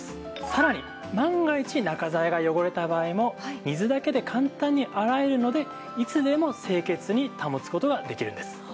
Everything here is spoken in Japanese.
さらに万が一中材が汚れた場合も水だけで簡単に洗えるのでいつでも清潔に保つ事ができるんです。